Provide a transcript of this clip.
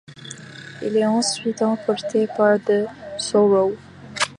Il est ensuite emporté par The Sorrow.